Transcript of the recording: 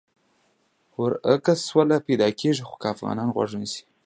ورکه سوله پیدا کېږي خو که افغانان غوږ ونیسي.